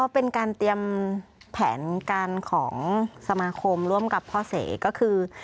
เป็นการเตรียมแผนการของสมาคมร่วมกับพ่อเสกก็คือ